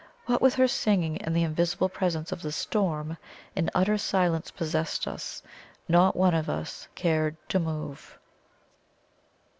What with her singing and the invisible presence of the storm, an utter silence possessed us not one of us cared to move.